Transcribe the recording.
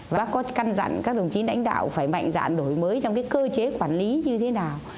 bác có căn dặn các đồng chí lãnh đạo phải mạnh dạng đổi mới trong cái cơ chế quản lý như thế nào